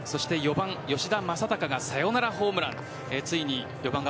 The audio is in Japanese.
４番・吉田正尚がサヨナラホームラン。